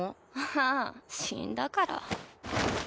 ああ死んだから。